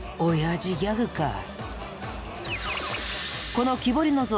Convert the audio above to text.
この木彫りの像。